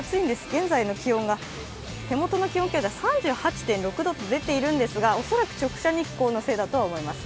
現在の気温が、手元の気温計で３８度と出ているんですが恐らく直射日光のせいだとは思います。